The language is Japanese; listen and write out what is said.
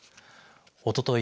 おととい